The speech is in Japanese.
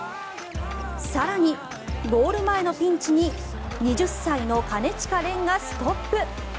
更に、ゴール前のピンチに２０歳の金近廉がストップ。